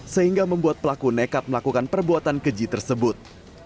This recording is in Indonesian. sehingga membuat pelaku nekat melakukan perbuatan keji tersebut